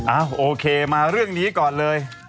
โอเคมาเรื่องนี้ก่อนเลย